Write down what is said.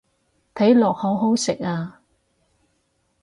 睇落好好食啊